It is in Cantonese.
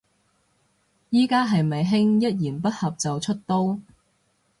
而家係咪興一言不合就出刀